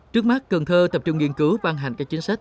trước mắt cần thơ tập trung nghiên cứu văn hành các chính sách